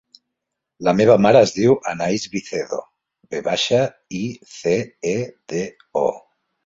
La meva mare es diu Anaïs Vicedo: ve baixa, i, ce, e, de, o.